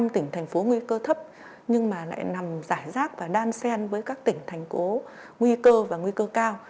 một mươi tỉnh thành phố nguy cơ thấp nhưng mà lại nằm giải rác và đan sen với các tỉnh thành phố nguy cơ và nguy cơ cao